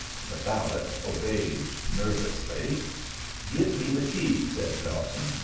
The valet obeyed nervously. "Give me the key," said Dawson.